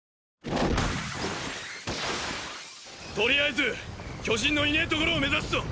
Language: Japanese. とりあえず巨人のいねぇ所を目指すぞ。